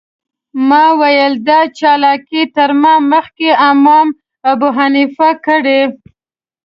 ما ویل دا چالاکي تر ما مخکې امام ابوحنیفه کړې.